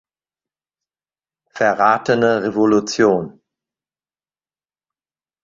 Verratene Revolution.